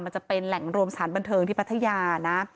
มันจะเป็นแหล่งรวมสถานบันเทิงที่พัทยานะ